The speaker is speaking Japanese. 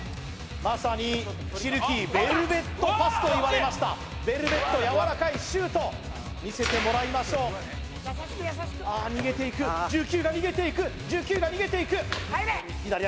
まさにシルキーベルベットパスといわれましたベルベットやわらかいシュート見せてもらいましょう優しく優しくああ逃げていく１９が逃げていく１９が逃げていく入れ！